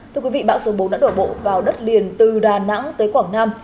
thưa quý vị bão số bốn đã đổ bộ vào đất liền từ đà nẵng tới quảng nam